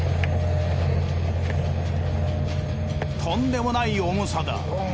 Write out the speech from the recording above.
とんでもない重さだ。